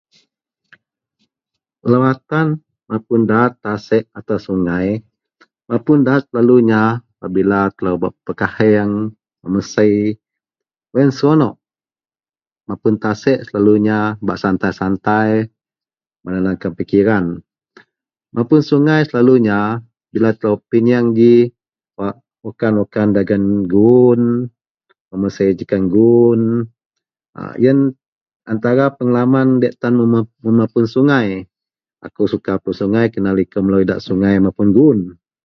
Lawatan mapun daat tasik atau sungai, mapun daat selalunya pabila telo bak pekaheng, memesei wak yen seronok, apun tasek selalunya bak santai-santai menenangkan pikiran, mapun sungai selalunya, bila telo pinyeang ji wak kan, wak kan dagen guun, memesei jekan guun, yen antara pengalaman diak tan bak mapun sungai, ako suka mapun sungai kena liko melo edak sungai mapun guun.